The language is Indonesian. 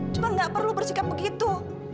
cuma nggak perlu bersikap begitu